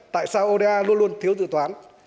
tại sao oda luôn luôn thiếu dự toán